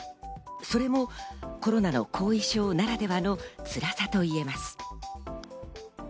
それもコロナの後遺症ならではの辛さといえます。